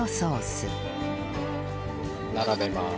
並べます。